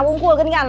bungkul kan kan